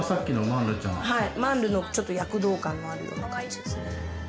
マンルのちょっと躍動感のあるような感じですね。